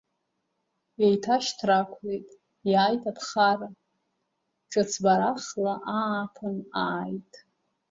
Еиҭашьҭрақәлеит, иааит аԥхара, ҿыцбарахла ааԥын ааит.